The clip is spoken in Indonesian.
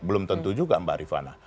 belum tentu juga mbak rifana